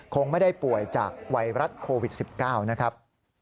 คงไม่ได้ป่วยจากไวรัสโควิด๑๙นะครับ